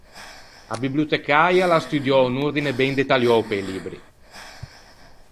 A bibliotecäia a l’à studiou un ordine ben dettaliou pe-i libbri.